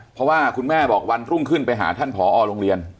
เพราะว่าคุณแม่บอกวันรุ่งขึ้นไปหาท่านผอโรงเรียน